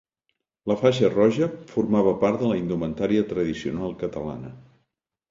La faixa roja formava part de la indumentària tradicional catalana.